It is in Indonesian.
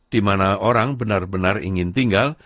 dimana orang benar benar ingin tinggal